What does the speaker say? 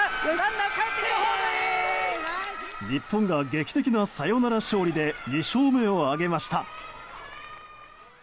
日本が劇的なサヨナラ勝利で２勝目を挙げました。